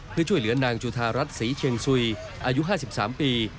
เพื่อช่วยเหลือนางจุธารัฐศรีเชียงสุยอายุ๕๓ปี